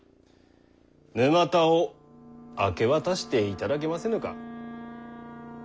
沼田を明け渡していただけませぬか。